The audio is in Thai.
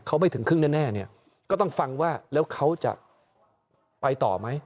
เขาไม่ถึงครึ่งแน่เนี่ยก็ต้องฟังว่าแล้วเขาจะไปต่อไหม